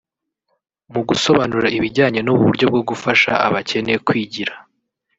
Mu gusobanura ibijyanye n’ubu buryo bwo gufasha abakene kwigira